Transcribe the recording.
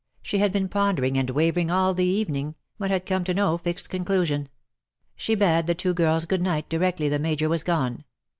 She had been pondering and wavering all the evening, but had come to no fixed conclusion. She bade the two girls good night directly the Major was gone.